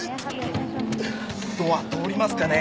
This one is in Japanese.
ドア通りますかね？